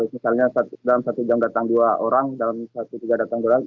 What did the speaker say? misalnya dalam satu jam datang dua orang dalam satu tiga datang